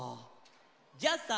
じゃあさ